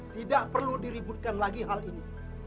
tidak perlu diributkan lagi hal ini